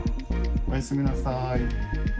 おやすみなさい。